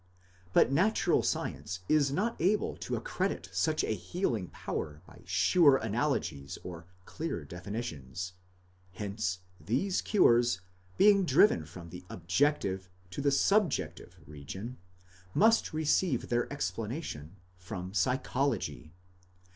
But natural science is not able to accredit such a healing power by sure analogies or clear definitions ; hence these cures, being driven from the objective to the subjective region, must receive their explanation from psychology.